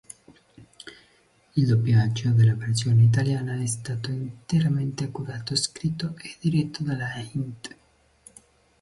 Il doppiaggio della versione italiana è stato interamente curato, scritto e diretto dalla "Int.